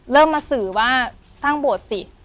เริ่มมาสื่อว่าสร้างโบสถ์สิ